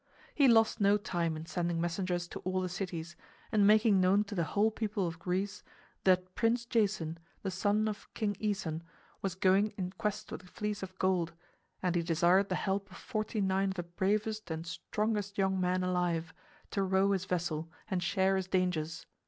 He lost no time in sending messengers to all the cities, and making known to the whole people of Greece that Prince Jason, the son of King Æson, was going in quest of the Fleece of Gold, and he desired the help of forty nine of the bravest and strongest young men alive, to row his vessel and share his dangers.